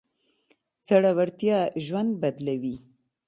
زړورتيا ژوند بدلوي.